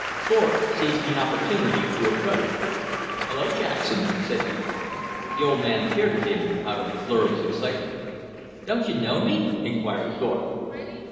Thorpe seized the opportunity to approach. "Hello, Jackson," said he. The old man peered at him out of the blur of his excitement. "Don't you know me?" inquired Thorpe.